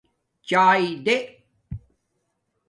چاݵے دیں